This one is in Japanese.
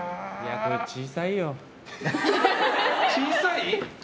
これ小さいよ。